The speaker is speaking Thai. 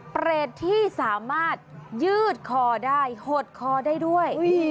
เปรตที่สามารถยืดคอได้หดคอได้ด้วย